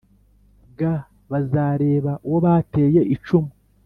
G bazareba uwo bateye icumu